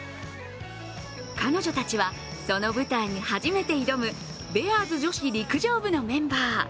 彼女たちはその舞台に初めて挑むベアーズ女子陸上部のメンバー。